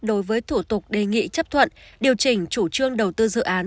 đối với thủ tục đề nghị chấp thuận điều chỉnh chủ trương đầu tư dự án